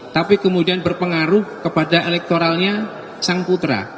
tapi kemudian berpengaruh kepada elektoralnya sang putra